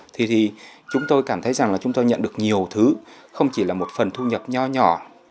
thì chúng tôi cảm thấy rằng là chúng tôi nhận được nhiều thứ không chỉ là một phần thu nhập nhỏ nhỏ